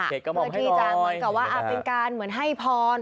เก็บกระม่องให้ก่อนเพื่อที่จะเหมือนกับว่าอาบเป็นการเหมือนให้พร